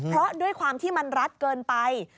เพราะด้วยความที่มันรัดเกินไป